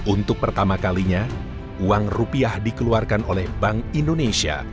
untuk pertama kalinya uang rupiah dikeluarkan oleh bank indonesia